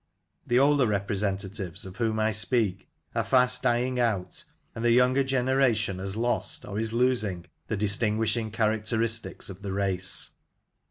The older repre sentatives of whom I speak are fast dying out, and the younger generation has lost, or is losing, the distinguishing characteristics of the race.